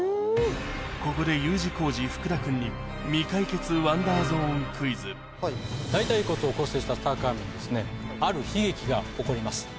ここでＵ字工事・福田君に大腿骨を骨折したツタンカーメンにある悲劇が起こります。